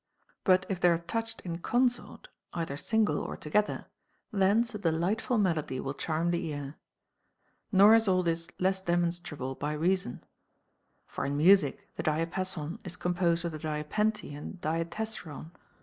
But if they are touched in consort, either single or together, thence a delightful mel ody will charm the ear. Nor is all this less demonstrable by reason. For in music, the diapason is composed of the diapente and diatessaron.